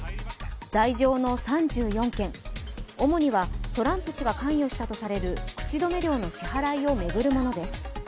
罪状の３４件、主には、トランプ氏が関与したとされる口止め料の支払いを巡るものです。